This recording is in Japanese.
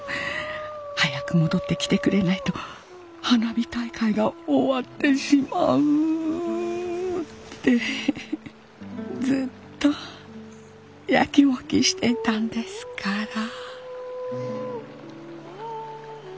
早く戻ってきてくれないと花火大会が終わってしまうってずっとやきもきしてたんですから。